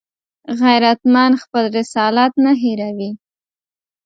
غیرتمند خپل رسالت نه هېروي